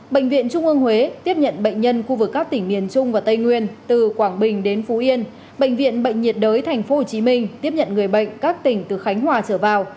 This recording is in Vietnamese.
bệnh viện trung ương huế tiếp nhận bệnh nhân khu vực các tỉnh miền trung và tây nguyên từ quảng bình đến phú yên bệnh viện bệnh nhiệt đới tp hcm tiếp nhận người bệnh các tỉnh từ khánh hòa trở vào